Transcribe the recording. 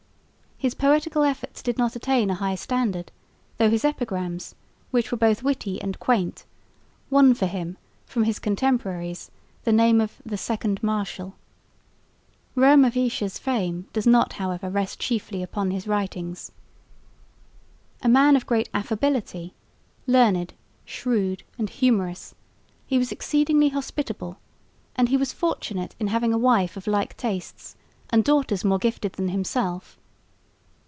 His poetical efforts did not attain a high standard, though his epigrams, which were both witty and quaint, won for him from his contemporaries the name of the "Second Martial." Roemer Visscher's fame does not, however, rest chiefly upon his writings. A man of great affability, learned, shrewd and humorous, he was exceedingly hospitable, and he was fortunate in having a wife of like tastes and daughters more gifted than himself.